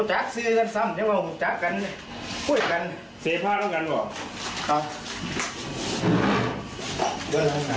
จักรกันพูดกันเสพผ้าหลังกันบ่าวอาว